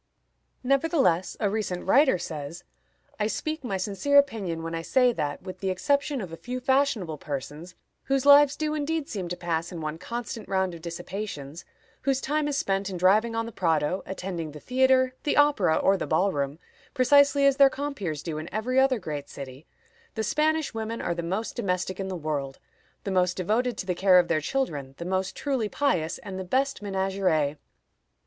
Nevertheless, a recent writer says: "I speak my sincere opinion when I say that, with the exception of a few fashionable persons, whose lives do indeed seem to pass in one constant round of dissipations, whose time is spent in driving on the Prado, attending the theatre, the opera, or the ball room, precisely as their compeers do in every other great city, the Spanish women are the most domestic in the world, the most devoted to the care of their children, the most truly pious, and the best ménagères.